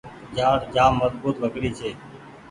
جآڙ جآم مزبوت لڪڙي ڇي۔